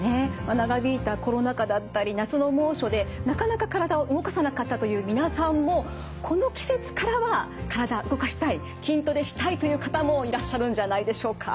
長引いたコロナ禍だったり夏の猛暑でなかなか体を動かさなかったという皆さんもこの季節からは体動かしたい筋トレしたいという方もいらっしゃるんじゃないでしょうか。